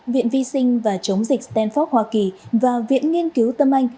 viện vi sinh và chống dịch stanford hoa kỳ và viện nghiên cứu tâm anh